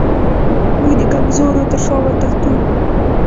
موږ د کمزورو تر شا وتښتو.